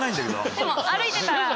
でも歩いてたら。